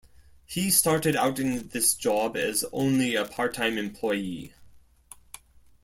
He started out in this job as only a part-time employee.